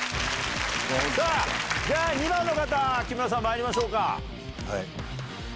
さぁ２番の方木村さんまいりましょうか。